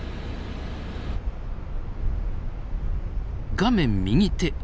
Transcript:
画面右手